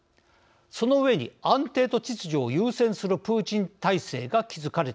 その上に安定と秩序を優先するプーチン体制が築かれています。